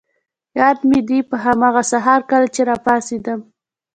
یاد مي دي، په هماغه سهار کله چي راپاڅېدم.